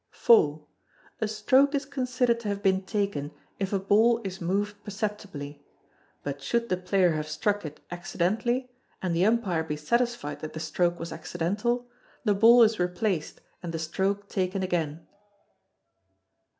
iv. A stroke is considered to have been taken if a ball is moved perceptibly; but should the player have struck it accidentally, and the umpire be satisfied that the stroke was accidental, the ball is replaced and the stroke taken again.